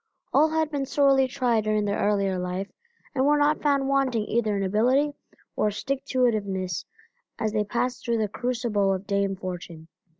All had been sorely tried during their earlier life and were not found wanting either in ability or stick to it iveness as they passed through the crucible of Dame Fortune.